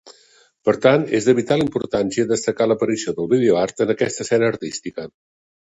Per tant, és de vital importància destacar l'aparició del Videoart en aquesta escena artística.